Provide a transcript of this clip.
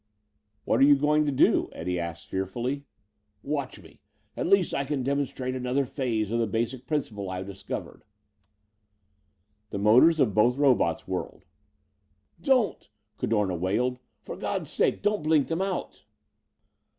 "What are you going to do?" Eddie asked fearfully. "Watch me! At least I can demonstrate another phase of the basic principle I have discovered." The motors of both robots whirred. "Don't!" Cadorna wailed. "For God's sake, don't blink 'em out!"